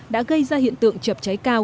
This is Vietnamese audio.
đã gây ra hiện tượng chập cháy cao